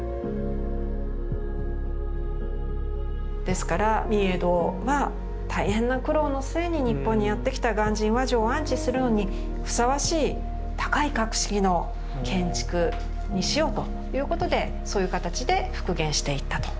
ですから御影堂は大変な苦労の末に日本にやって来た鑑真和上を安置するのにふさわしい高い格式の建築にしようということでそういう形で復元していったと。